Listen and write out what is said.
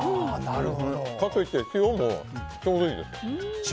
かといって、塩もちょうどいいです。